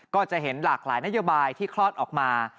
ก็จะเห็นหลากหลายนโยบายที่คลอดออกมา